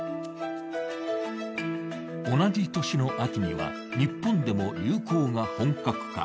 同じ年の秋には、日本でも流行が本格化。